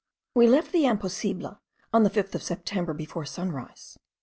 We left the Imposible on the 5th of September before sunrise.